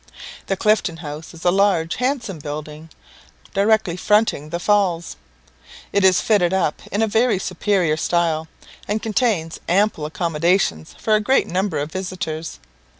The Clifton House is a large, handsome building, directly fronting the Falls. It is fitted up in a very superior style, and contains ample accommodations for a great number of visitors.